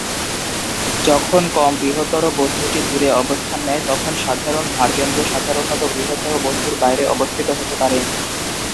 যখন কম বৃহত্তর বস্তুটি দূরে অবস্থান নেয়, তখন সাধারণ ভরকেন্দ্র সাধারণত বৃহত্তর বস্তুর বাইরে অবস্থিত হতে পারে।